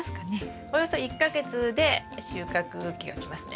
およそ１か月で収穫期が来ますね。